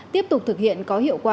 tiếp tục thực hiện có hiệu quả